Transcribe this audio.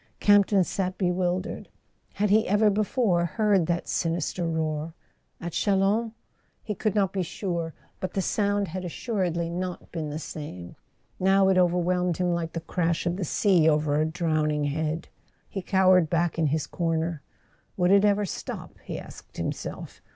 Camp ton sat bewildered. Had he ever before heard that sinister roar? At Chalons? He could not be sure. But the sound had assuredly not been the same; now it overwhelmed him like the crash of the sea over a drowning head. He cowered back in his corner. Would it ever stop, he asked himself?